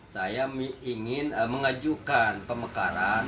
saya ingin mengajukan pemekaran